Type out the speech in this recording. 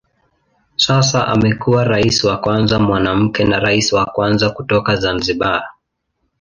Sasa amekuwa rais wa kwanza mwanamke na rais wa kwanza kutoka Zanzibar.